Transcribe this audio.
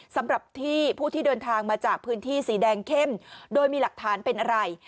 สำหรับที่ผู้ที่เดินทางมาจากพื้นที่สีแดงเข้มโดยมีหลักฐานเป็นอะไร